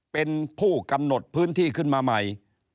เป็นผู้กำหนดพื้นที่ขึ้นมาใหม่